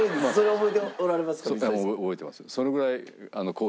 覚えてます。